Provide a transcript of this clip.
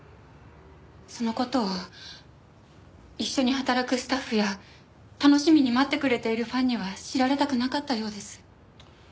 その事は一緒に働くスタッフや楽しみに待ってくれているファンには知られたくなかったようです。